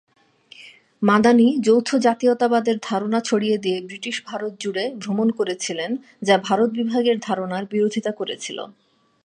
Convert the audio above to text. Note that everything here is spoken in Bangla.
মাদানী যৌথ জাতীয়তাবাদের ধারণা ছড়িয়ে দিয়ে ব্রিটিশ ভারত জুড়ে ভ্রমণ করেছিলেন, যা ভারত বিভাগের ধারণার বিরোধিতা করেছিল।